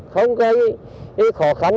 không gây khó khăn